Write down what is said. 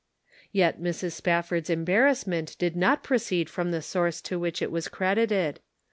Yet Mrs. Spafford's embarrassment did not proceed from the source to which it was credited.